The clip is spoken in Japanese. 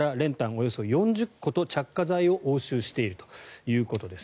およそ４０個と着火剤を押収しているということです。